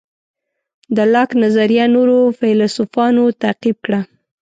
د لاک نظریه نورو فیلیسوفانو تعقیب کړه.